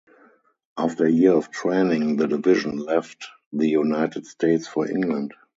After a year of training the division left the United States for England.